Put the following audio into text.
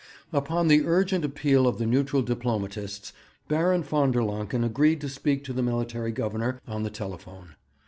Upon the urgent appeal of the neutral diplomatists Baron von der Lancken agreed to speak to the Military Governor on the telephone.